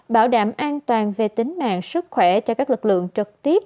bảo đảm an toàn về tính mạng sức khỏe cho các lực lượng trực tiếp